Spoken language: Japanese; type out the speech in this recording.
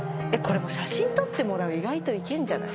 写真撮ってもらう意外といけんじゃない？